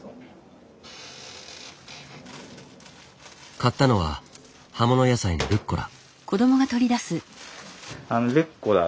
買ったのは葉物野菜のルッコラ。